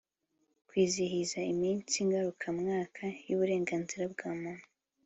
Kwizihiza iminsi ngarukamwaka y uburenganzira bwa Muntu